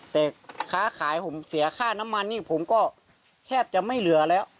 แต่ค้าขายผมเสียค่าน้ำมันนี่ผมก็แทบจะไม่เหลือแล้ว